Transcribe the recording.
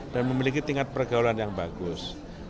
dan memiliki tingkat pergaulan yang bagus